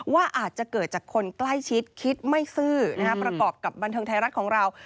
ว่าอาจจะเกิดจากคนใกล้ชิดคิดไม่ซื่อประกอบกับบันเทิงไทยรัฐของเรา